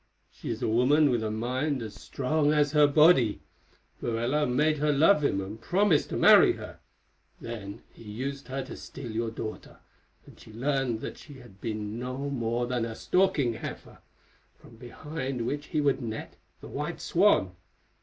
She is a woman with a mind as strong as her body. Morella made her love him and promised to marry her. Then he used her to steal your daughter, and she learned that she had been no more than a stalking heifer, from behind which he would net the white swan.